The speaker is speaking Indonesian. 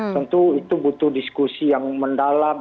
tentu itu butuh diskusi yang mendalam